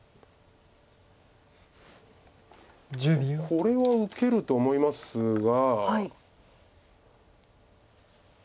これは受けると思いますが。